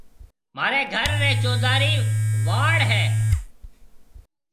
مهاريَ گهر ريَ چوڌارِي واݪو هيَ۔